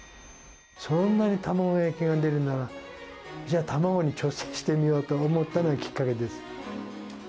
そんなに卵焼きが出るなら、じゃあ、卵に挑戦してみようと思ったのがきっかけです。